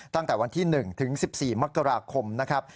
ตั้งแต่วันที่๑ถึง๑๔มกราคมนะครับ